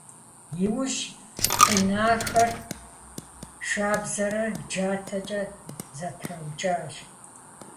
Иужь къинахэр шабзэрэ джатэкӏэ зэтраукӏащ.